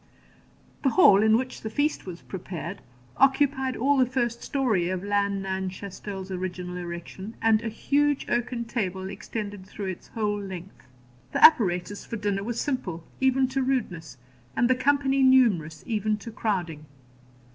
The hall, in which the feast was prepared, occupied all the first story of lan nan Chaistel's original erection, and a huge oaken table extended through its whole length. The apparatus for dinner was simple, even to rudeness, and the company numerous, even to crowding.